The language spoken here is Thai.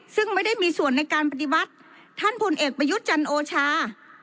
ซึ่งไม่ได้มีส่วนในการปฏิวัติท่านพลเอกประยุทธ์จันโอชา